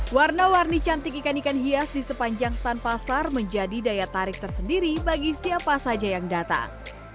warna warni cantik ikan ikan hias di sepanjang stand pasar menjadi daya tarik tersendiri bagi siapa saja yang datang